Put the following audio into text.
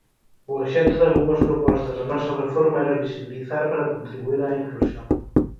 O obxecto dalgunhas propostas da nosa reforma era visibilizar para contribuír á inclusión.